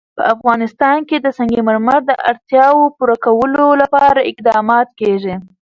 په افغانستان کې د سنگ مرمر د اړتیاوو پوره کولو لپاره اقدامات کېږي.